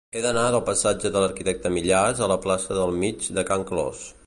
He d'anar del passatge de l'Arquitecte Millàs a la plaça del Mig de Can Clos.